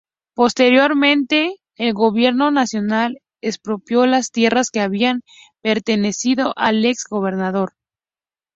Posteriormente, el gobierno nacional expropió las tierras que habían pertenecido al ex gobernador.